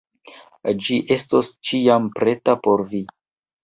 Ĝi estos ĉiam preta por vi.